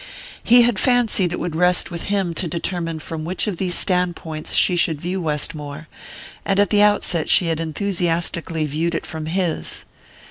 He had fancied it would rest with him to determine from which of these stand points she should view Westmore; and at the outset she had enthusiastically viewed it from his.